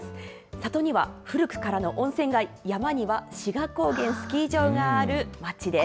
里には古くからの温泉街、山には志賀高原スキー場がある町です。